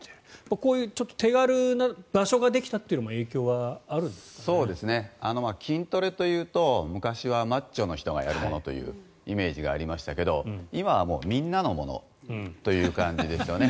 こういう手軽な場所ができたというのも筋トレというと昔はマッチョの人がやるものというイメージがありましたが今はもうみんなのものという感じですよね。